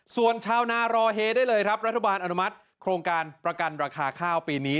ส่วนชาวนารอเฮได้เลยครับรัฐบาลอนุมัติโครงการประกันราคาข้าวปีนี้